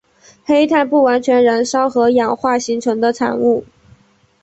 黑碳不完全燃烧和氧化形成的产物。